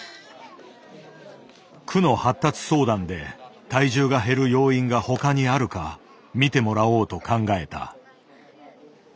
区の発達相談で体重が減る要因が他にあるかみてもらおうと考えた。